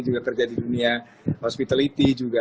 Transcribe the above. juga kerja di dunia hospitality juga